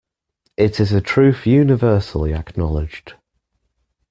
It is a truth universally acknowledged.